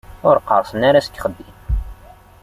Ur qqerṣen ara seg uxeddim.